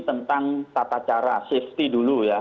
tentang tata cara safety dulu ya